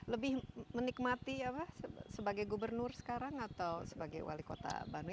lebih menikmati apa sebagai gubernur sekarang atau sebagai wali kota bandung